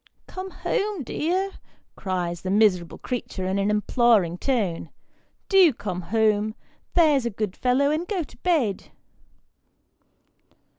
" Come home, dear," cries the miserable creature, in an imploring tone ;" do come home, there's a good fellow, and go to bed."